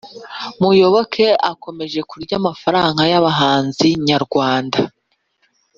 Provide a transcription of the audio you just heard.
Muyoboke akomeje kurya amafara yabahanzi nyarwanda